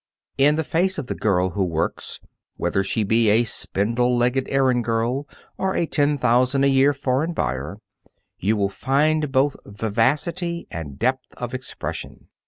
In the face of the girl who works, whether she be a spindle legged errand girl or a ten thousand a year foreign buyer, you will find both vivacity and depth of expression.